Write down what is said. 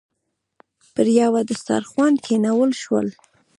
پر یوه دسترخوان کېنول شول.